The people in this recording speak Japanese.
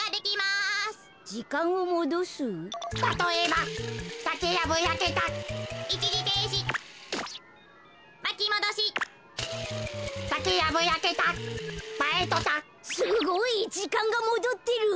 すごい！じかんがもどってる。